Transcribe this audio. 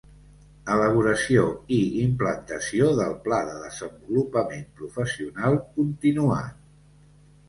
Elaboració i implantació del Pla de desenvolupament professional continuat.